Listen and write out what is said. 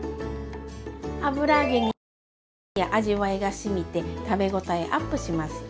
油揚げにも風味や味わいがしみて食べごたえアップします！